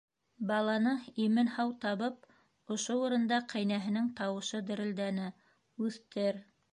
Баланы имен-һау табып, - ошо урында ҡәйнәһенең тауышы дерелдәне, - үҫтер.